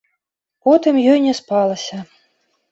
Потым ёй не спалася.